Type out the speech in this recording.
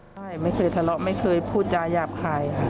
ใช่ไม่เคยทะเลาะไม่เคยพูดจาหยาบคายค่ะ